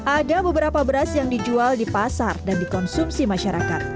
ada beberapa beras yang dijual di pasar dan dikonsumsi masyarakat